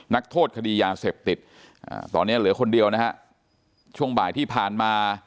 นักโทษคดียาเสพติดตอนนี้เหลือคนเดียวนะฮะช่วงบ่ายที่ผ่านมา